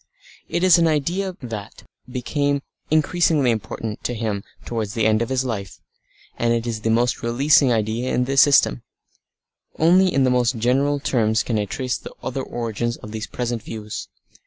It was an idea that became increasingly important to him towards the end of his life. And it is the most releasing idea in the system. Only in the most general terms can I trace the other origins of these present views.